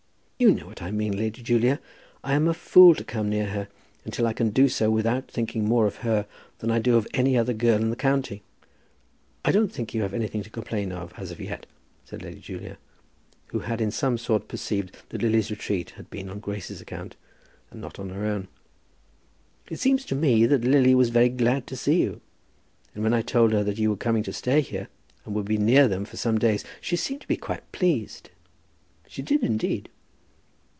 "You know what I mean, Lady Julia. I am a fool to come near her, until I can do so without thinking more of her than I do of any other girl in the county." "I don't think you have anything to complain of as yet," said Lady Julia, who had in some sort perceived that Lily's retreat had been on Grace's account, and not on her own. "It seems to me that Lily was very glad to see you, and when I told her that you were coming to stay here, and would be near them for some days, she seemed to be quite pleased; she did indeed."